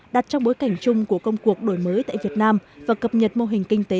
đặt trong bối cảnh chung của công cuộc đổi mới tại việt nam và cập nhật mô hình kinh tế